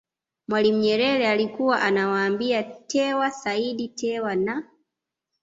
Mwalimu Nyerere alikuwa anawaambia Tewa Said Tewa na